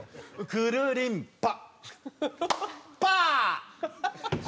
クルリンパ！